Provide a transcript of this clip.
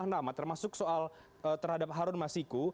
lima nama termasuk soal terhadap harun masiku